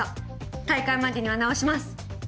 大会までには治します。